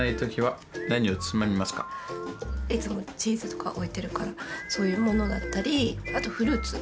いつもチーズとかを置いてるからそういうものだったりあとフルーツ。